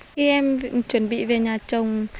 khi em chuẩn bị về nhà chồng